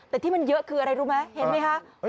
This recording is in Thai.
แต่ที่มันเยอะคืออะไรรู้ไหมเห็นไหมคะ